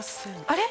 あれ？